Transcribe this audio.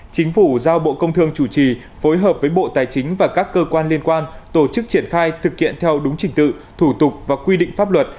chính phủ giao bộ công thương chủ trì phối hợp với bộ tài chính và các cơ quan liên quan tổ chức triển khai thực hiện theo đúng trình tự thủ tục và quy định pháp luật